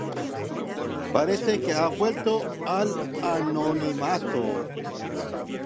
Parece que ha vuelto al anonimato.